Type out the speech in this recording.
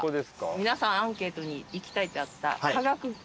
皆さんアンケートに行きたいってあった。